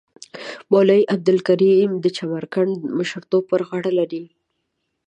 مولوی عبدالکریم د چمرکنډ مشرتوب پر غاړه لري.